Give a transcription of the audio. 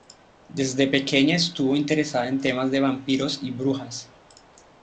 Desde pequeña estuvo interesada en temas de vampiros y brujas.